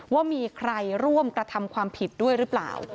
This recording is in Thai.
ว่ามีใครร่วมกระทำความผิดด้วยหรือเปล่า